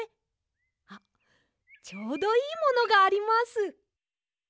あっちょうどいいものがあります。